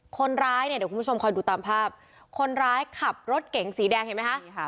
คนร้ายเนี่ยเดี๋ยวคุณผู้ชมคอยดูตามภาพคนร้ายขับรถเก๋งสีแดงเห็นไหมคะ